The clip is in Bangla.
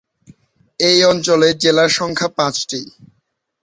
এই অঞ্চলে জেলার সংখ্যা পাঁচটি।